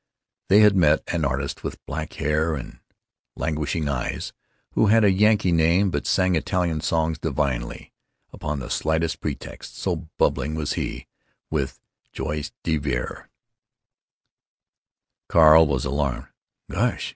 They had met an artist with black hair and languishing eyes, who had a Yankee name, but sang Italian songs divinely, upon the slightest pretext, so bubbling was he with joie de vivre. Carl was alarmed. "Gosh!"